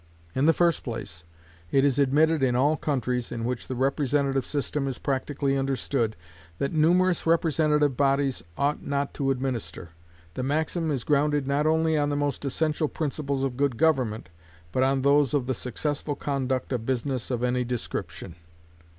In the first place, it is admitted in all countries in which the representative system is practically understood, that numerous representative bodies ought not to administer. The maxim is grounded not only on the most essential principles of good government, but on those of the successful conduct of business of any description.